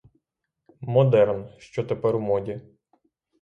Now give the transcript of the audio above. Модерн, що тепер у моді.